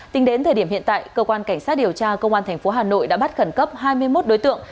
tính đến thời điểm hiện tại cơ quan cảnh sát điều tra công an tp hà nội đã bắt khẩn cấp hai mươi một đối tượng